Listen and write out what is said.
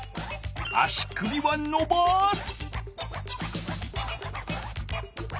足首はのばす！